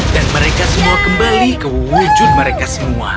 dan mereka semua kembali ke wujud mereka semua